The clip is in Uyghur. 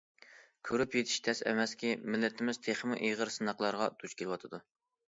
كۆرۈپ يېتىش تەس ئەمەسكى، مىللىتىمىز تېخىمۇ ئېغىر سىناقلارغا دۇچ كېلىۋاتىدۇ.